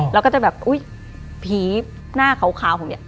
เราก็จะแบบอุ๊ยผีหน้าขาวผมเนี่ย